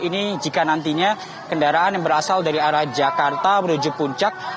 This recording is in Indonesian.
ini jika nantinya kendaraan yang berasal dari arah jakarta menuju puncak